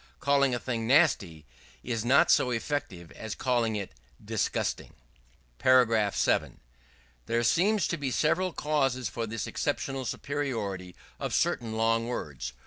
_ Calling a thing nasty is not so effective as calling it disgusting. § 7. There seem to be several causes for this exceptional superiority of certain long words.